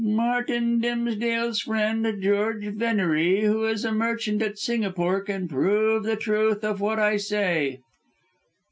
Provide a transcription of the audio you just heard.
"Martin Dimsdale's friend, George Venery, who is a merchant at Singapore, can prove the truth of what I say."